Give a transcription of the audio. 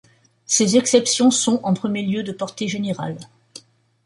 Ces exceptions sont, en premier lieu, de portée générale.